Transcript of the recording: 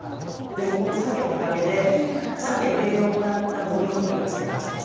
でもこのサケのおかげでサケの栄養をもらった森の木が育ちます。